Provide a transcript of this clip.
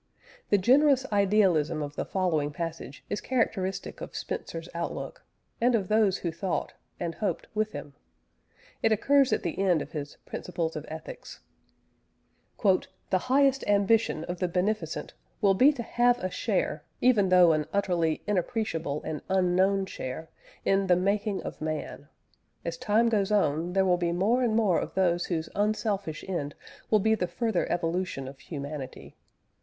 The generous idealism of the following passage is characteristic of Spencer's outlook, and of those who thought and hoped with him; it occurs at the end of his Principles of Ethics: "The highest ambition of the beneficent will be to have a share even though an utterly inappreciable and unknown share in 'the making of Man.'... As time goes on, there will be more and more of those whose unselfish end will be the further evolution of Humanity.